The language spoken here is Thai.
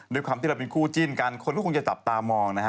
ด้วยความที่เราเป็นคู่จิ้นกันคนก็คงจะจับตามองนะฮะ